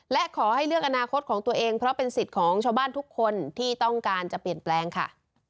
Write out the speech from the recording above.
และขอให้เลือกอนาคตของตัวเองเพราะเป็นสิทธิ์ของชาวบ้านทุกคนที่ต้องการจะเปลี่ยนแปลงค่ะ